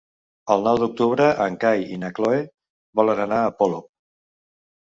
El nou d'octubre en Cai i na Cloè volen anar a Polop.